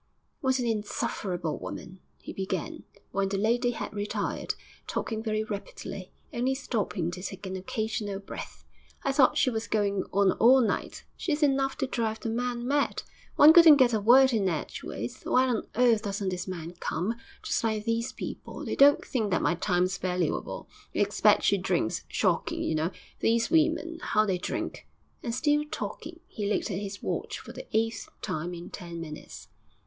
'What an insufferable woman!' he began, when the lady had retired, talking very rapidly, only stopping to take an occasional breath. 'I thought she was going on all night. She's enough to drive the man mad. One couldn't get a word in edgeways. Why on earth doesn't this man come? Just like these people, they don't think that my time's valuable. I expect she drinks. Shocking, you know, these women, how they drink!' And still talking, he looked at his watch for the eighth time in ten minutes.